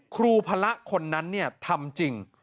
ครูพระคนนั้นทำจริง